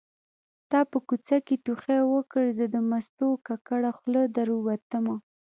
تا په کوڅه کې ټوخی وکړ زه د مستو ککړه خوله در ووتمه